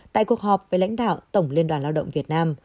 tại cuộc họp với lãnh đạo tổng liên đoàn lao động việt nam